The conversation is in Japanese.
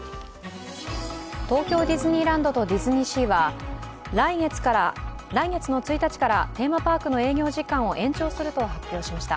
東京ディズニーランドとディズニーシーは来月の１日からテーマパークの営業時間を延長すると発表しました。